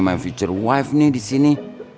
istri istri saya di sini